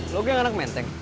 lu geng anak menteng